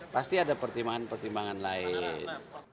pasti ada pertimbangan pertimbangan lain